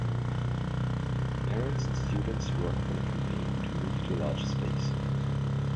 Parents and students worked on a campaign to move to a larger space.